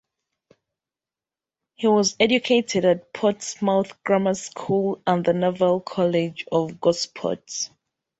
He was educated at Portsmouth Grammar School and the Naval College in Gosport.